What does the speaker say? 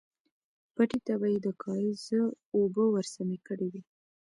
پټي ته به يې د کاريز اوبه ورسمې کړې وې.